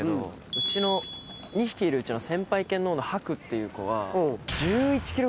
うちの２匹いるうちの先輩犬のハクっていう子は。